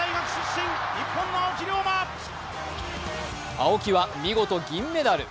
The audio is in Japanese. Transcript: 青木は見事銀メダル。